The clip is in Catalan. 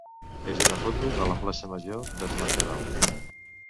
és una foto de la plaça major d'Es Mercadal.